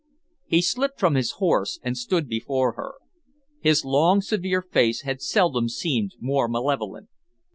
He slipped from his horse and stood before her. His long, severe face had seldom seemed more malevolent.